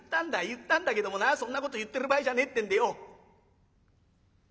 言ったんだけどもなそんなこと言ってる場合じゃねえってんでよ